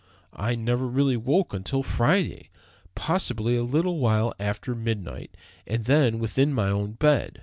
I never really woke until Friday, possibly a little while after midnight, and then within my own bed.